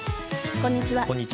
こんにちは。